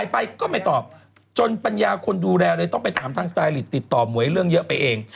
ไปก็ไม่ตอบจนปัญญาคนดูแลเลยต้องไปถามทางสไตลิตติดต่อหมวยเรื่องเยอะไปเอง